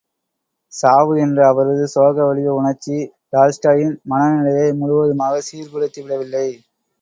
சாவு என்ற அவரது சோக வடிவ உணர்ச்சி டால்ஸ்டாயின் மன நிலையை முழுவதுமாகச் சீர்குலைத்துவிட வில்லை.